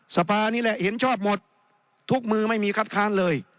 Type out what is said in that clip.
สภานี่แหละเห็นชอบหมดทุกมือไม่มีคัดค้านเลย